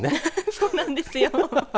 そうなんですよ。